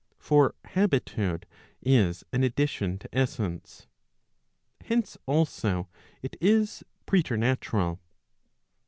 For habitude is an addition to essence. Hence also it is preternatural.